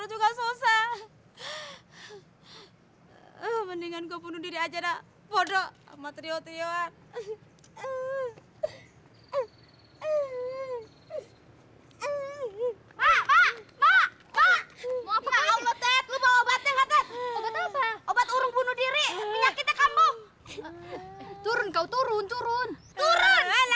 eh kamu kamu kamu jangan dekat dekat kamu eh